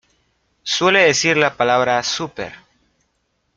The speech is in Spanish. Suele decir la palabra "super".